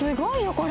これ。